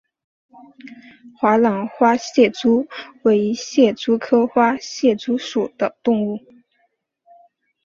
华南花蟹蛛为蟹蛛科花蟹蛛属的动物。